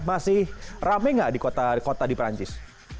masih rame gak di kota kota di perancis